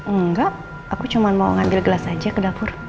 enggak aku cuma mau ngambil gelas aja ke dapur